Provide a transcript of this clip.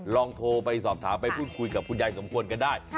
ลองโทรไปสอบถามไปพูดคุยกับคุณยายสมควรกันได้